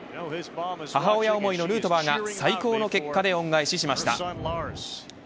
母親思いのヌートバーが最高の結果で恩返ししました。